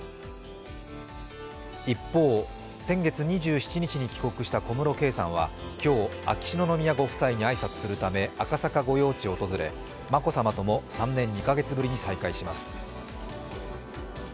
一方、先月２７日に帰国した小室圭さんは今日、秋篠宮ご夫妻に挨拶するため赤坂御用地を訪れ眞子さまとも３年２カ月ぶりに再会します。